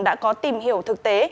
đã có tìm hiểu thực tế